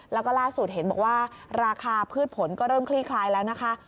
แล้วก็ล่าสุดเห็นบอกว่าราคาพืชผลก็เริ่มคลี่คลายแล้วนะคะ